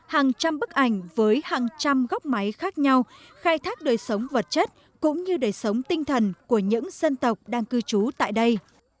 hàng trăm bức ảnh với hàng trăm góc máy khác nhau khai thác đời sống vật chất cũng như đời sống tinh thần của những dân tộc đang cư trú tại đây